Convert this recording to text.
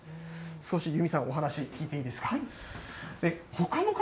少し、由美さん、お話伺っていいですか？